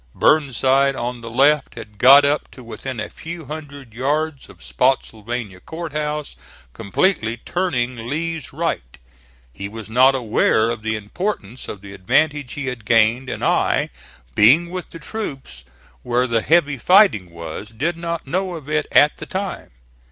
Burnside on the left had got up to within a few hundred yards of Spottsylvania Court House, completely turning Lee's right. He was not aware of the importance of the advantage he had gained, and I, being with the troops where the heavy fighting was, did not know of it at the time.